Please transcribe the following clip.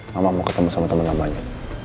mama mau ketemu sama temen namanya